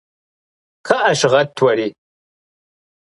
КхъыӀэ, щыгъэт уэри!